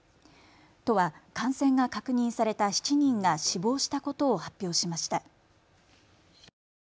都は感染が確認された７人が死亡したことを発表しました。